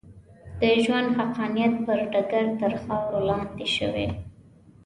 د ژوند حقانیت پر ډګر تر خاورو لاندې شوې.